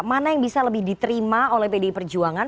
mana yang bisa lebih diterima oleh pdi perjuangan